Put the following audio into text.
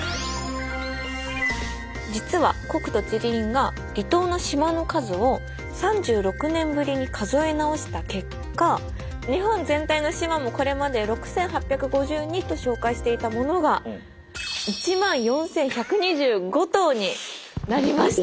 実は国土地理院が離島の島の数を３６年ぶりに数え直した結果日本全体の島もこれまで６，８５２と紹介していたものが１万４，１２５島になりました！